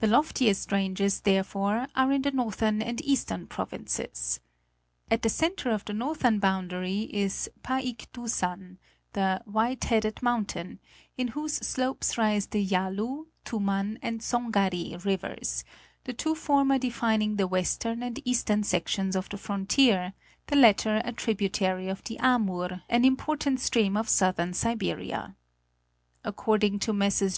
The loftiest ranges, therefore, are in the northern and eastern provinces. At the centre of the northern boundary is Paik du san, the "white headed mountain," in whose slopes rise the Yalu, Tuman, and Songari rivers, the two former defining the western and eastern sections of the frontier, the latter a tributary of the Amur, an important stream of southern Siberia. According to Messrs.